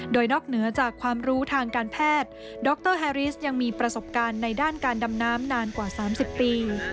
โดยนอกเหนือจากความรู้ทางการแพทย์ดรแฮริสยังมีประสบการณ์ในด้านการดำน้ำนานกว่า๓๐ปี